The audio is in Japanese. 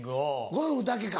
ゴルフだけか。